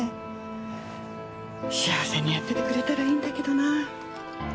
幸せにやっててくれたらいいんだけどな。